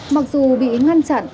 mặc dù bị ngăn chặn